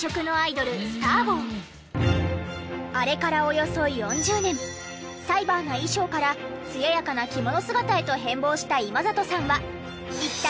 あれからおよそ４０年サイバーな衣装から艶やかな着物姿へと変貌した今里さんは。